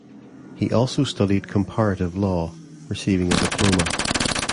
He also studied comparative law, receiving a diploma.